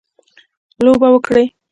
لوبه وکړي.